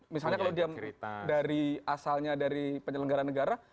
misalnya kalau dia dari asalnya dari penyelenggara negara